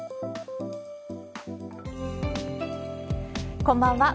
こんばんは。